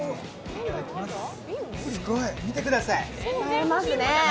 すごい、見てください、ねえ。